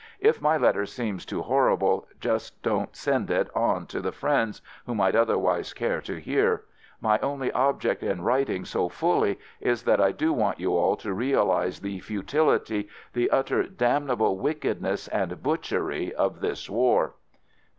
If my letter seems too horrible, just don't send it on to the friends who might otherwise care to hear. My only object in writing so fully is that I do want you all to realize the futility, the utter damnable wickedness and butch ery of this war.